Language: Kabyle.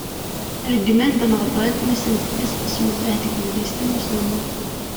Reggmen Ben Ɣebriṭ mi sen-tekkes "besmelleh" deg idlisen uselmed.